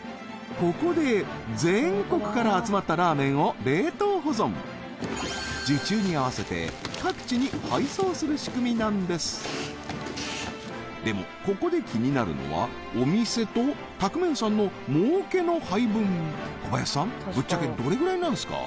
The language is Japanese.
ここで全国から集まったラーメンを冷凍保存する仕組みなんですでもここで気になるのはお店と宅麺さんの儲けの配分小林さんぶっちゃけどれぐらいなんすか？